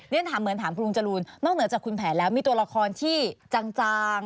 ฉันถามเหมือนถามคุณลุงจรูนนอกเหนือจากคุณแผนแล้วมีตัวละครที่จาง